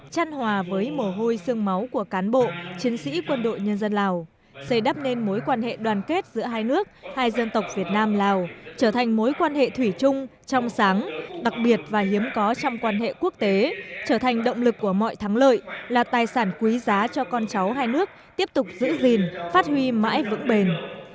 chăn hòa với mồ hôi sương máu của cán bộ chiến sĩ quân đội nhân dân lào xây đắp nên mối quan hệ đoàn kết giữa hai nước hai dân tộc việt nam lào trở thành mối quan hệ thủy chung trong sáng đặc biệt và hiếm có trong quan hệ quốc tế trở thành động lực của mọi thắng lợi là tài sản quý giá cho con cháu hai nước tiếp tục giữ gìn phát huy mãi vững bền